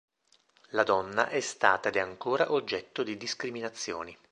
La donna è stata ed è ancora oggetto di discriminazioni.